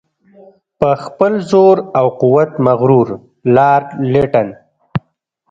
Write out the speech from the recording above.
په خپل زور او قوت مغرور لارډ لیټن.